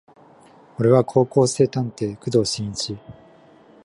俺は高校生探偵工藤新一